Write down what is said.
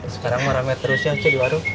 sekarang merame terus ya cedewaru